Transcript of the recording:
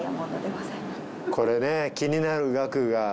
これね気になる額が。